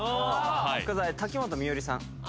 深澤瀧本美織さん